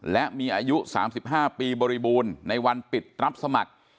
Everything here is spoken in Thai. และมีอายุ๓๕ปีบริบูรณ์ในวันปิดรับสมัคร